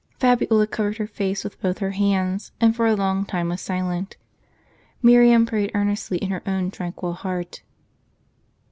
Fabiola covered her face with both her hands, and for a long time was silent. Miriam prayed earnestly in her own tranquil heart.